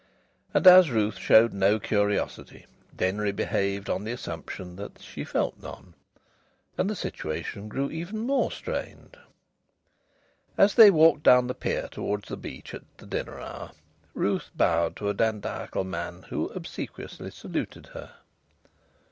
And as Ruth showed no curiosity Denry behaved on the assumption that she felt none. And the situation grew even more strained. As they walked down the pier towards the beach, at the dinner hour, Ruth bowed to a dandiacal man who obsequiously saluted her.